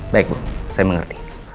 baik bu saya mengerti